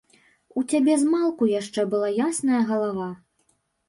У цябе змалку яшчэ была ясная галава.